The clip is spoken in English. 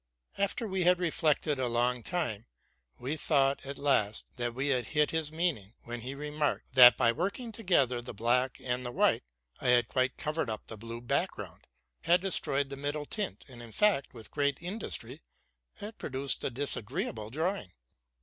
After we had reflected a long while, we thought, at last, that we had hit his meaning, when we re marked, that, by working together the black and the white, IT had quite covered up the blue ground, had destroyed the middle tint, and, in fact, with great industry, had produced a disagreeable drawing.